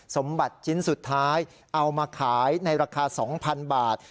สมบัติชิ้นสุดท้ายเอามาขายในราคา๒๐๐๐บาท